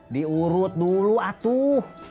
diurut dulu atuh